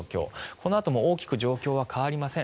このあとも大きく状況は変わりません。